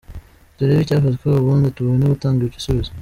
turebe icyafatwa ubundi tubone gutanga igisubizo.